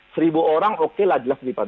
seribu orang oke lah jelas titipan